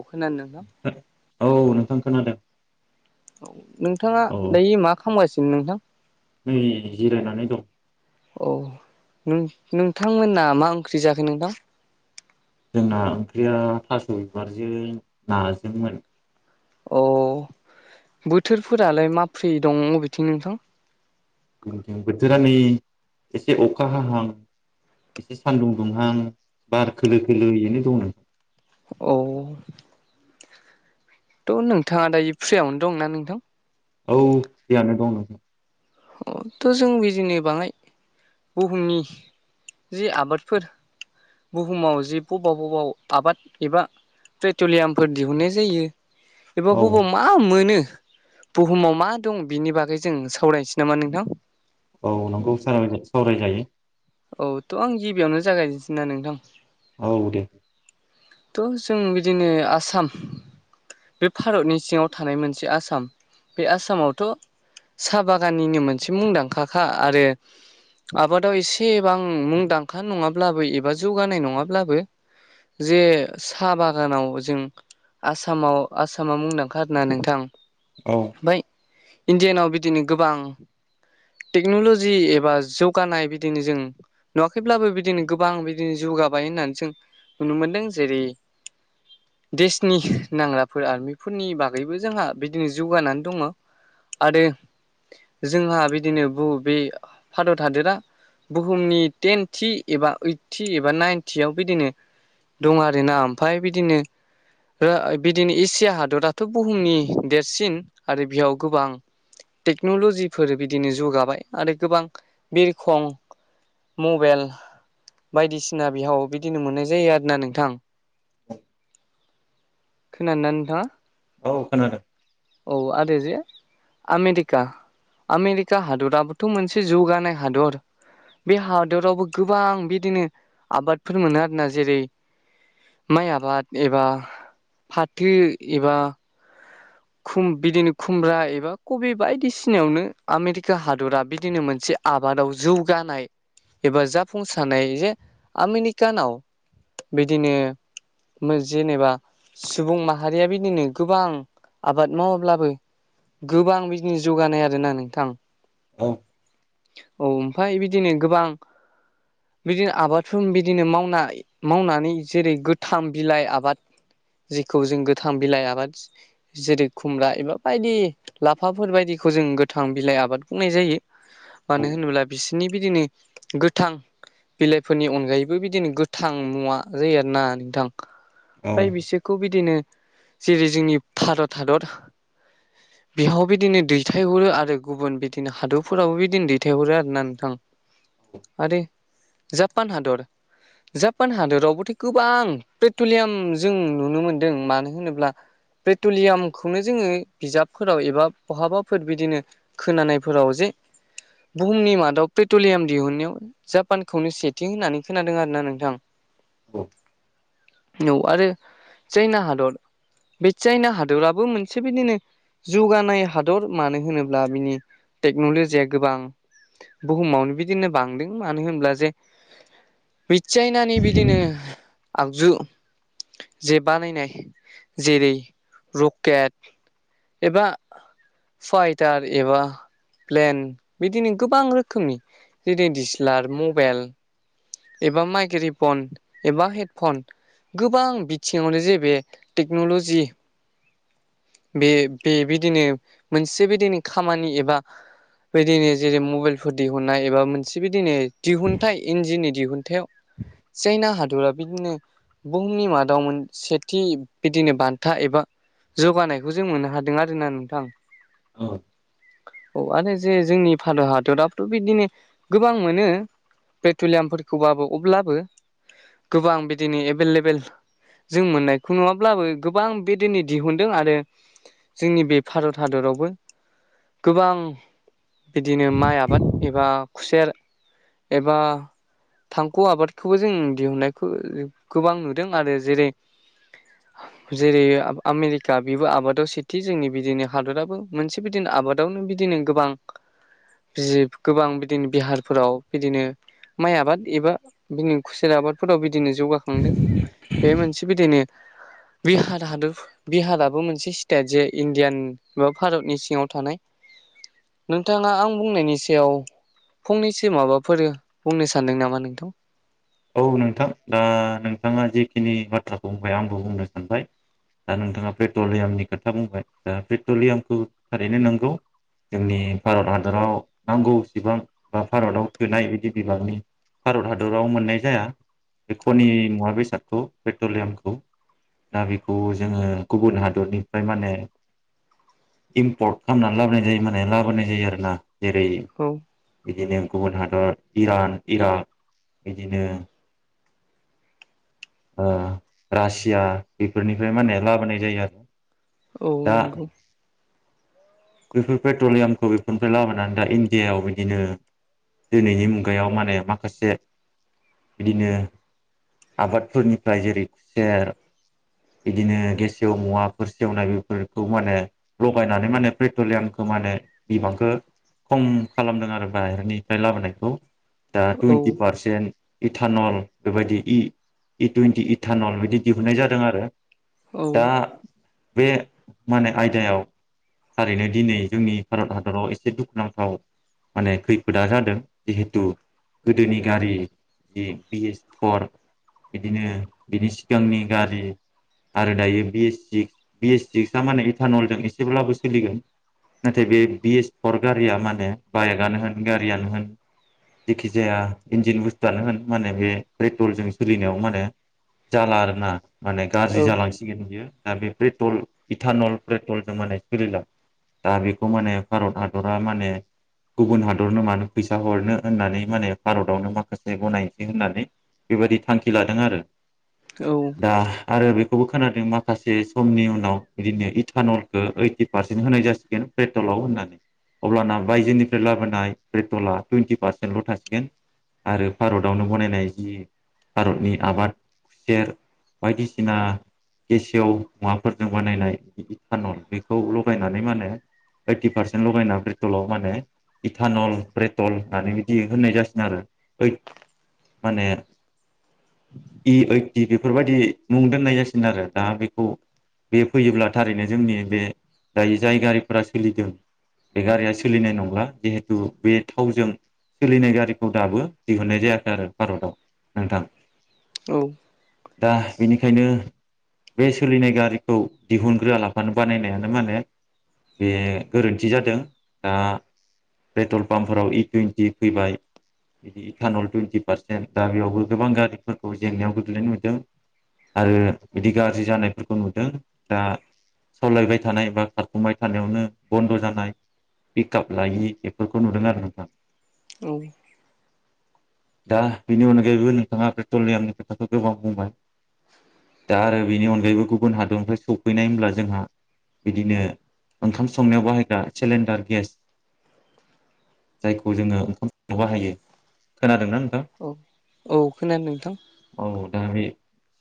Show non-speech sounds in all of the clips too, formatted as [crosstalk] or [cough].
अखोनादोना नोंथां औ नोंथां खोनादों। नोंथाङा औ दायो मा खालामगासिनो नोंथां? नै जिरायनानै दं। औ नोंथांमोना मा ओंख्रि जाखो नोंथां। जोंना ओंख्रिया थास' बिबारजों नाजोंमोन। अ बोथोरफोरालाय माबै दं बबेथिं नोंथां बिथिं बोथोरा नै एसे अखा हाहां एसे सान्दुं दुंहां बार खोलो खोलोयैनो दं औ थ' नोंथाङा दायो फ्रियावनो दं ना नोंथां? औ फ्रियानो दं नोंथां। अ थ' जों बिरनि बाङाय बुहुमनि जि आबादफोर बुहुमाव जि बबाव बबाव आबाद एबा पेट्रलियामफोर दिहुननाय जायो। एबा औ बबेाव मा मोनो बुहुमाव मा दं बिनि बागै जों सावरायनोसै नामा नोंथां औ नोंखौ सावरायजायो औथ' आं गिबियावनो जागायनोसै ना नोंथां औ दे थ' जों बिदिनो आसाम बे भारतनि सिङाव थानाय मोनसे आसाम बे आसामावथ' साहा बागाननिनो मोनसे मुंदांखााख आरो आबादाव एसे थेबां मुंदांखा नङाब्लाबो एबा जौगानाय नङाब्लाबो जे साहा बागानाव जों आसामाव आसामा मुंदांखा आरो ना नोंथां औ ओमफफ्राय इण्डियानाव बिदिनो गोबां टेक्न'ल'जि एबा जौगानायनाय बि बिदिनो जों नुवाखैब्लाबो बिदिनो गोबां बिदिनो जौगाबाय होननानै जों नुनो मोन्दों जेरै देशनि नांग्राफोर आरमिफोरनि बागैबो जोंहा बिदिनो जौगानानै दङ आरो जोंहा बिदिनो बबे भादत हादोरा बुहुमनि टेनथि एबा ओइदथि एबा नाइनटियाव बिदिनो दं आरोना ओमफफ्राय बिदिनो बिदिनो एसिया हादराथ' बुहुमनि देरसिन आरो बियाव गोबां टेक्न'ल'जिफोर बिदिनो जौगाबाय आरो गोबां बिरखं मबाइल बायदिसिना बिहाव बिदिनो मोननाय जायो आरोना नोंथां खोनादोंना नोंथाङा औ खोनादों औ आरो जे आमेरिका आमेरिका हादराबोथ' मोनसे जौगानाय हादर। बे हादरावबो गोबां बिदिनो आबादफोर मोनो आरोना जेरै माइ आबाद एबा फाथो एबा खुम बिदिनो खुमब्रा एबा कबि बायदिसिनायावनो आमेरिका हादरा बिदिनो मोनसे आबादाव जौगानाय एबा जाफुंसारनाय जे आमेनिकानाव बिदिनो जेनेबा सुबुं माहारिया बिदिनो गोबां आबाद मावाब्लाबो गोबां बिजनेस जौगानाय आरोना नोंथां। औ औ ओमफाय बिदिनो गोबां बिदिनो आबादफोर बिदिनो मावनाय मावनानै जेरै गोथां बिलाइ आबाद जेखौ जों गोथां बिलाइ आबाद जेरै खुमब्रा एबा बायदि लाफाफोर बायदिखौ जों गोथां बिलाइ आबाद बुंनाय जायो। औ मानो होनोब्ला बिसोरनि बिदिनो गोथां बिलाइफोरनि अनगायैबो बिदिनो गोथां मुवा जायो आरोना नोंथां। औ ओमफाय बिसोरखौ बिदिनो जेरै जोंनि भारत हादर [inaudible] बेहाव बिदिनो दैथायहरो आरो गुबुन बिदिनो हादरफोरावबो बिदिनो दैथायहरो आरोना नोंथां। आरो जापान हादर जापान हादरावबोथ' गोबां पेट्रलियाम जों नुनो मोन्दों मानो होनोब्ला। पेट्रलियामखौनो जोंङो बिजाबफोराव एबा बहाबाफोर बिदिनो खोनानायफोराव जे बुहुमनि मादाव पेट्रलियाम दिहुनायाव जापानखौनो सेथिं होननानै खोनादों आर ना नोंथां। [inaudible] न आरो चायना हादर बे चायना हादराबो मोनसे बिदिनो जौगानाय हादर मानो होनोब्ला बिनि टेक्न'लजिया गोबां बुहुमावनो बिदिनो बांदों मानो होनब्ला जे बि चायनानि बिदिनो आगजु जे बानायनाय जेरै रकेट एबा फाइटार एबा प्लेन बिदिनो गोबां रोखोमनि जेरै दिसिलार मबेल एबा माइक्रेफन एबा हेडफन गोबां बिथिङावनो जे बे टेक्न'लजि बे बेबायदिनो मोनसे बिदिनो खामानि एबा बेदिनो जेरै मबाइलफोर दिहुननाय एबा मोनसे बिदिनो दिहुनथाइ इन्जिननि दिहुनथायाव चायना हादरा बिदिनो बुहुमनि मादावमोन सेथि बिदिनो बान्था एबा जौगानायखौ जों मोननो हादों आरोना नोंथां। औ औ आरो जे जोंनि भारत हादराबोथ' बिदिनो गोबां मोनो। पेट्रलियामफोरखौबाबो अब्लाबो गोबां बिदिनो एभेलेबेल जों मोननायखौ नुवा अब्लाबो गोबां बे दिनै दिहुनदों आरो जोंनि बे भारत हादरावबो गोबां बिदिनो माइ आबाद एबा खुसेर एबा थांखु आबादखौबो जों दिहुननायखौ गोबां नुदों आरो जेरै जेरै आमेरिका बेबो आबादाव सेथि जोंनि बिदिनो हादराबो। मोनसे बिदिनो आबादावनो बिदिनो गोबां [inaudible] बि गोबां बिदिनो बिहारफोराव बिदिनो माइ आबाद एबा बिनि खुसेर आबादफोराव बिदिनो जौगाखांदों बे मोनसे बिदिनो बे हाद-हादो बिहाराबो मोनसे स्टेट जे इण्डियान बा भारतनि सिङाव थानाय नोंथाङा आं बुंनायनि सायाव फंनैसो माबाफोर बुंनो सानदों नामा नोंथां औ नोंथां दा नोंथाङा जेखिनि बाथ्राखौ बुंबाय आंबो बुंनो सानबाय दा नोंथाङा पेट्रलियामनि खोथा बुंबाय दा पेट्रलियामखौ थारैनो नोंगौ जोंनि भारत हादराव नांगौसेबां बा भारताव थोनाय बिदि बिबांनि भारत हादराव मोननाय जाया बे खनि मुवा बेसादखौ पेट्रलियामखौ दा बेखौ जोङो गुबुन हादरनिफ्राय माने इम्पर्ट खालामनानै लाबोनाय जायो माने लाबोनाय जायो आरो ना जेरै औ बिदिनो गुबुन हादर इरान इराक बिदिनो रासिया बेफोरनिफ्राय मान होने लाबोनाय जायो आरो औ दा नंगौ बेफोर पेट्रलियामखौ बेफोरनिफ्राय लाबोनानै दा इण्डियायाव बिदिनो दिनैनि मुगायाव माने माखासे बिदिनो आबादफोरनिफ्राय जेरै खुसेर बिदिनो गेसेव मुवाफोर सेवनाय बेफोरखौ माने लगायनानै माने पेट्रलियामखौ मानो बिबांखौ खम खालामदों आरो बाहेरनिफ्राय लाबोनायखौ दा औ टुइन्टि पारसेन इटानल बेबायदि इ इ टुवन्टि इटानल बिदि दिहुननाय जादों आरो औ दा बे माने आयदायाव थारैनो दिनै जोंनि भारत हादराव एसे दुखुनांथाव माने खैफोदा जादों जिहेथु गोदोनि गारि जि बिएस फर बिदिनो बिनि सिगांनि गारि आरो दायो बि सिक्स माने इटानल जों एसेब्लाबो सोलिगोन नाथाय बे बि एस फर गारिया माने बाइकआनो होन गारियानो होन जेखि जाया इन्जिन बुस्थुआनो होन माने बे पेट्रलजों सोलिनायाव माने जाला आरोना माने औ गाज्रि जालांसिगोन बियो दा बे पेट्रल इटानल पेट्रलजों माने सलिला दा बेखौ माने भारत हादरा माने गुबुन हादरनो मानो फैसा हरनो होननानै माने भारतआवनो माखासे गनायसै होननानै बेबायदि थांखि लादों आरो दा आरो बेखौबो खोनादों माखासे समनि उनाव बिदिनो इथानलखौ फिफटि पार्सेन्ट होनाय जासिगोन पेट्रलाव होननानै अब्लाना बायजोनिफ्राय लाबोनाय पेट्रला टुइेन्टि पारसेन्टल' थासिगोन आरो भारतावनो बनायनाय जि भारतनि आबाद सेर बायदिसिना गसेव मुवाफोरजों बानायनाय [unintelligible] बेखौ लगायनानै मा होनो ओदटि पारसेन्ट लगायना पेट्रलाव माने इटानल पेट्रल होननानै बिदि होननाय जासिन आरो माने इ ओइटि बेफोरबायाददि मुं दोननाय जासिन आरो दा बेखौ बे फैयोब्ला थारैनो जोंनि बे दायो जायगारिफोरा सोलिदों बे गारिया सोलिनाय नंला जिहेथु बे थावजों सोलिनाय गारिखौ दाबो दिहुननाय जायाखै आरो भारतआव नोंथां ‌ औ । दा बेनिखायनो बे सोलिनाय गारिखौ दिहुनग्रोआलाबानो बानायनाया मा होनो बे गोरोन्थि जादों दा पेट्रल पाम्पफोराव इ टुवन्टि फैबाय बिदि एटान'ल टुइन्टि पारसेन्ट दा बेयावबो गोबां गारिफोरखौ जेंनायाव गोग्लैनो नुदों ‌ आरो बिदि गाज्रि जानायफोरखौ नुदों दा सलायबाय थानाय बा खारफुमबाय थानायावनो बन्द' जानाय पिकआप लायि बेफोरखौ नुदों आरो नोंथां । औ । दा बेनि अनगायैबो नोंथाङा पेट्रलियामनि खोथाखौ गोबां बुंबाय । [inaudible] दा आरो बेनि अनगायैबो गुबुन हादरनिफ्राय सौफैनाय होनब्ला जोंहा बिदिनो ओंखाम संनायाव बाहायग्रा सेलिन्डार गेस । जायखौ जोङो ओंखाम संनायाव बाहायो खोनादोंना नोंथां? औ औ खोनानोदों नोंथां । औ दा बे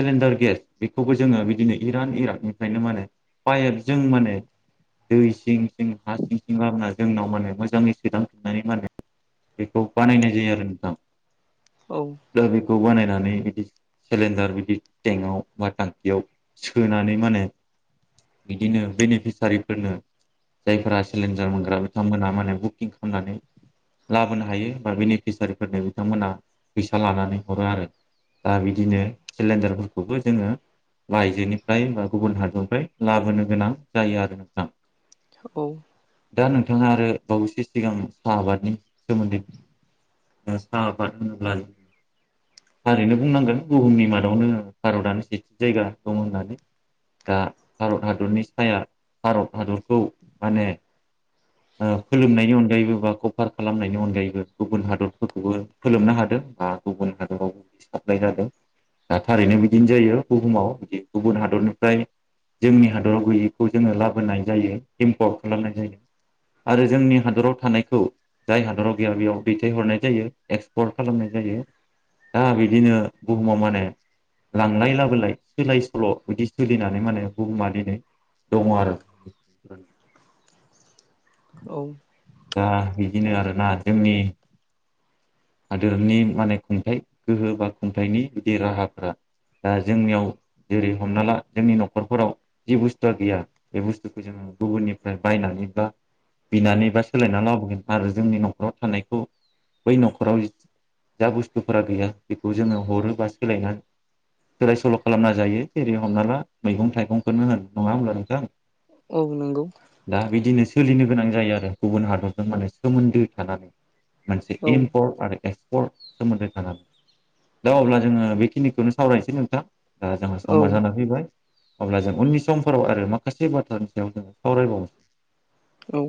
सिलिन्डार गेस बेखौबो जोङो बिदिनो इरान इरकनिफ्रायनो माने [unintelligible] जों माने दै सिं सिं हा सिं सिं लाबोनानै जोंनाव माने मोजाङै सोदांफिन्नानै माने बेखौ बानायनाय जायो आरो नोंथां । औ । दा बेखौ बानायनानै बिदि सिलिन्डार बिदि टेंकआव बा टांखियाव सोनानै माने बिदिनो बेनिफिसारिफोरनो जायफोरा सिलिन्डार मोनग्रा बिथांमोनहा माने बुकिं खालामनानै लाबोनो हायो बा बेनिफिसारिफोरनो बिथांमोना फैसा लानानै हरो आरो । दा बिदिनो सिलिन्डारफोरखौबो जोङो बाइजोनिफ्राय बा गुबुन हादरनिफ्राय लाबोनो गोनां जायो आरो नोंथा । औ । दा नोंथाङा आरो बावैसो सिगां साहा आबादनि सोमोन्दै दा साहा आबाद होनोल्बा थारैनो बुंनांगोन बुहुमनि मादावनो भारतआनो सेथि जायगा दं होननानै । दा भारत हादरनि साया भारत हादरखौ माने ओ फोलोमनायनि अनगायैबो बा कभार खालामनायनि अनगायैबो गुबुन हादरफोरखौबो फोलोमनो हादों बा गुबुन हादरावबो [unintelligible] जादों । दा थारैनो बिदिनो जायो बुहुमाव बिदि गुबुन हादरनिफ्राय जोंनि हादराव गैयैखौ जोङो लाबोनाय जायो इम्पर्ट खालामनाय जायो । आरो जोंनि हादराव थानायखौ जाय हादराव गैया बेयाव दैथायहरनाय जायो एक्सपर्ट खालामनाय जायो। दा बिदिनो बुहुमाव माने लांलाय लाबोलाय सोलाय सोल' बिदि सोलिनानै माने बुहुमा दिनै दङ आरो औ दा बिदिनो आरोना जोंनि हादोरनि माने खुंथाइ गोहो बा खुंथाइनि बिदि राहाफ्रा दा जोंनियाव जेरै हमना ला जोंनि न'खरफोराव जि बुस्थुआ गैया बे बुस्थुखौ जोङो गुबुननिफ्राय बायनानै बा बिनानै बा सोलायना लाबोगोन आरो जोंनि न'खराव थानायखौ बै न'खराव जा बुस्थुफोरा गैया बेखौ जोङो हरो बा सोलायना सोलाय सोल' खालामना जायो जेरै हमना ला मैगं' थाइगंखौनो होन नङा होमब्ला नोंथां? औ नोंगौ । दा बिदिनो सोलिनो गोनां जायो आरो गुबुन हादरजों माने सोमोन्दो थानानै मोनसे औ इम्पर्ट आरो एक्सपर्ट सोमोन्दो थांगोन दा अब्ला जोङो बेखिनिखौनो सावरायनोसै नोंथां दा जोंहा औ समाज जाना फैबाय अब्ला जों उननि समफोराव आरो माखासे बाथ्रानि सायाव जोङो सावरायबावनोसै औ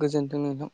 गोजोन्थों नोंथां।